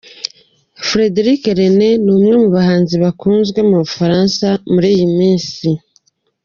Frédéric Lerner ni umwe mu bahanzi bakunzwe mu bufaransa muri iyi minsi,.